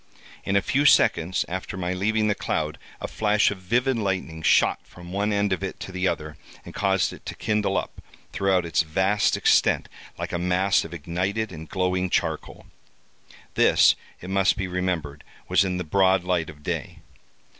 In a few seconds after my leaving the cloud, a flash of vivid lightning shot from one end of it to the other, and caused it to kindle up, throughout its vast extent, like a mass of ignited and glowing charcoal. This, it must be remembered, was in the broad light of day.